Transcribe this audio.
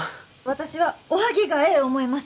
私はおはぎがええ思います！